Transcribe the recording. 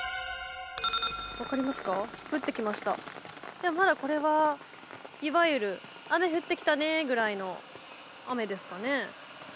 でもまだこれはいわゆる雨降ってきたねぐらいの雨ですかね。